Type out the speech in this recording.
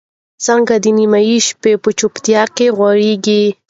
څانګه د نيمې شپې په چوپتیا کې غوړېږي.